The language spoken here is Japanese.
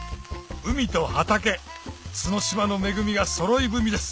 海と畑角島の恵みがそろい踏みです